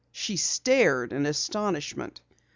She stared in astonishment.